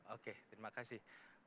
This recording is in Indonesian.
oke terima kasih